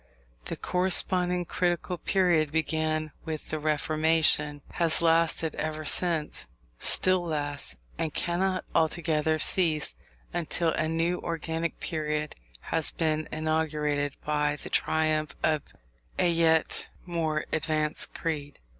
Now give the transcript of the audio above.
The corresponding critical period began with the Reformation, has lasted ever since, still lasts, and cannot altogether cease until a new organic period has been inaugurated by the triumph of a yet more advanced creed.